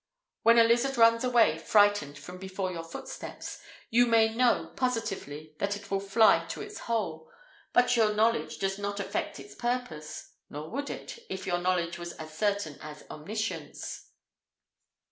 When a lizard runs away frightened from before your footsteps, you may know positively that it will fly to its hole, but your knowledge does not affect its purpose; nor would it, if your knowledge was as certain as Omniscience.